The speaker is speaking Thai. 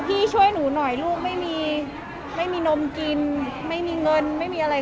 พี่ช่วยหนูหน่อยลูกไม่มีไม่มีนมกินไม่มีเงินไม่มีอะไร